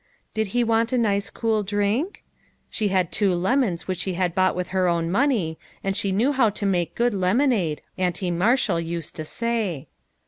"Did he want a nice cool drink?" she had two lemons which she bought with her own money, and she knew how to make good lemon ade, Auntie Marshall used to say.